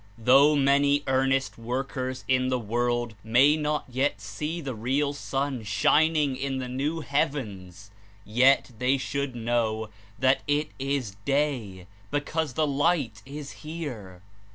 Though many earnest workers in the world may not yet see the real Sun shining in the new heavens, yet they should know that it is Day because the Light is here.